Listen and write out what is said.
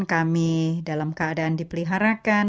kami dalam keadaan dipeliharakan